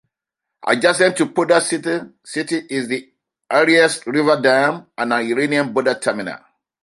Adjacent to Poldasht city is the Aras River Dam and an Iranian border terminal.